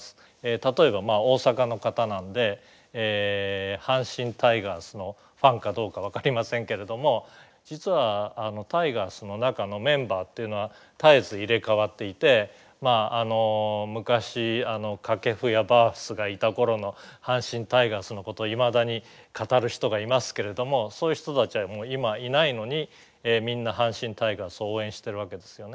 例えば大阪の方なんで阪神タイガースのファンかどうか分かりませんけれども実はタイガースの中のメンバーっていうのは絶えず入れ代わっていて昔掛布やバースがいた頃の阪神タイガースのことをいまだに語る人がいますけれどもそういう人たちはもう今はいないのにみんな阪神タイガースを応援してるわけですよね。